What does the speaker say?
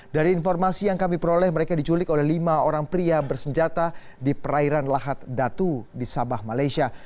dari informasi yang kami peroleh mereka diculik oleh lima orang pria bersenjata di perairan lahat datu di sabah malaysia